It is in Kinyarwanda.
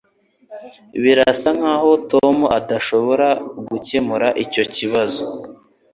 Birasa nkaho Tom adashobora gukemura icyo kibazo